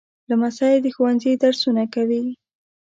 لمسی د ښوونځي درسونه کوي.